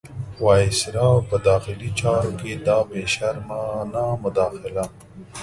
وایسرا په داخلي چارو کې دا بې شرمانه مداخله.